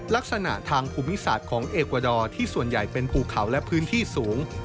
ลักษณะทางภูมิศาสตร์ของเอกวาดอร์ที่ส่วนใหญ่เป็นภูเขาและพื้นที่สูง